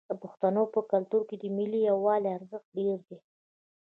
د پښتنو په کلتور کې د ملي یووالي ارزښت ډیر دی.